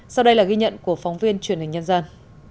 sau đây là ghi nhận của phóng viên truyền hình nhân dân